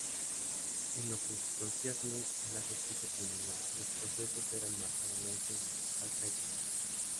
En lo que concierne a la justicia criminal, los procesos eran marcadamente arcaicos.